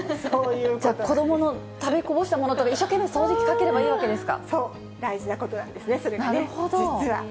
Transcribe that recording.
じゃあ、子どもの食べこぼしたものとか、一生懸命、掃除機かければいいわそう、大事なことなんですね、なるほど。